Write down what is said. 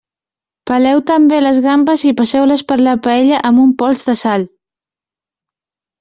Peleu també les gambes i passeu-les per la paella amb un pols de sal.